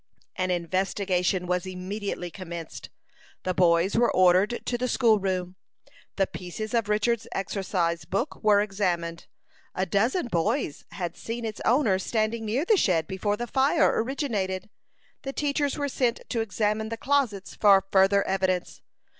An investigation was immediately commenced. The boys were ordered to the school room. The pieces of Richard's exercise book were examined. A dozen boys had seen its owner standing near the shed before the fire originated. The teachers were sent to examine the closets for further evidence.